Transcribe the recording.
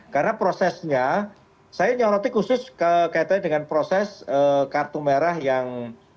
karena prosesnya saya nyoroti khusus dengan proses kartu merah yang